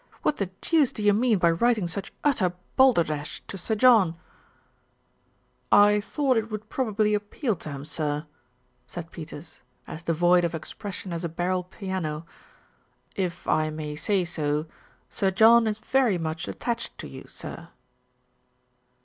What the deuce do you mean by writing such utter balderdash to Sir John?" 258 THE RETURN OF ALFRED "I thought it would probably appeal to him, sir," said Peters, as devoid of expression as a barrel piano. "If I may say so, Sir John is very much attached to you, sir."